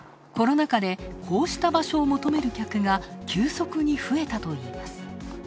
コロナ禍で、こうした場所を求める客が急速に増えたといいます。